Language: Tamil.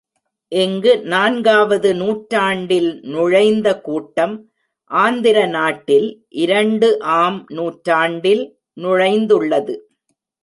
இங்கு நான்காவது நூற்றாண்டில் நுழைந்த கூட்டம் ஆந்திர நாட்டில் இரண்டு ஆம் நூற்றாண்டில் நுழைந்துள்ளது.